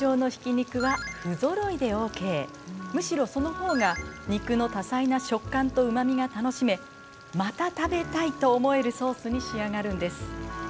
むしろそのほうが肉の多彩な食感とうまみが楽しめまた食べたいと思えるソースに仕上がるんです。